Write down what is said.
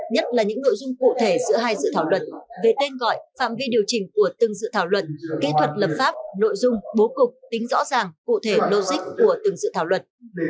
nhất là những nội dung cụ thể giữa hai dự thảo luật về tên gọi phạm vi điều chỉnh của từng dự thảo luật kỹ thuật lập pháp nội dung bố cục tính rõ ràng cụ thể logic của từng dự thảo luật